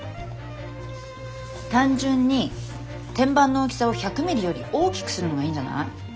単純に天板の大きさを１００ミリより大きくするのがいいんじゃない？